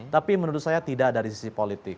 tapi menurut saya tidak dari sisi politik